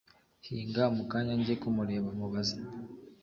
hinga mukanya njye kumureba mubaze"